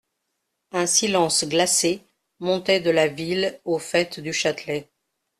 Un silence glacé montait de la ville au faite du Châtelet.